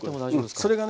それがね